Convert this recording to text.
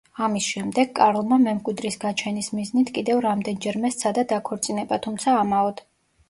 ამის შემდეგ, კარლმა მემკვიდრის გაჩენის მიზნით კიდევ რამდენჯერმე სცადა დაქორწინება, თუმცა ამაოდ.